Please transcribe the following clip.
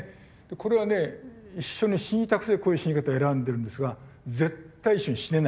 これはね一緒に死にたくてこういう死に方を選んでるんですが絶対一緒に死ねない。